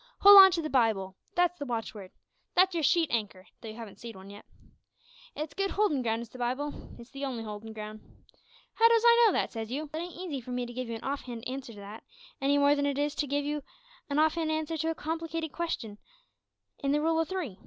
Hold on to the Bible! That's the watchword. That's your sheet anchor though you haven't seed one yet. It's good holdin' ground is the Bible it's the only holdin' ground. `How does I know that?' says you. Well, it ain't easy for me to give you an off hand answer to that, any more than it is to give you an off hand answer to a complicated question in the rule o' three.